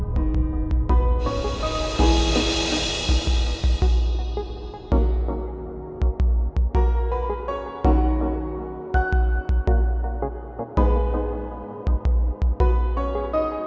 yang tuju yang kasar